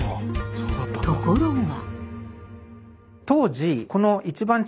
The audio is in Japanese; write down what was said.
ところが。